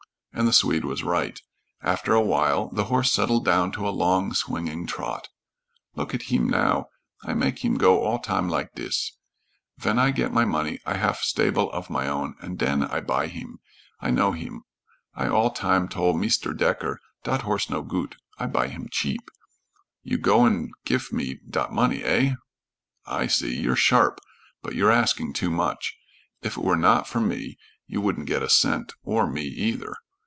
And the Swede was right. After a while the horse settled down to a long, swinging trot. "Look at heem now. I make heem go all tam lak dis. Ven I get my money I haf stable of my own und den I buy heem. I know heem. I all tam tol' Meester Decker dot horse no goot I buy heem sheep. You go'n gif me dot money, eh?" "I see. You're sharp, but you're asking too much. If it were not for me, you wouldn't get a cent, or me either.